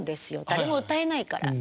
誰も歌えないから。